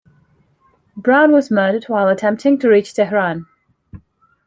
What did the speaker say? Browne was murdered while attempting to reach Tehran.